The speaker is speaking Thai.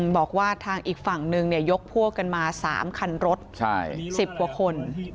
บอกว่าทางอีกฝั่งหนึ่งยกพวกกันมา๓คันรถ๑๐กว่าคน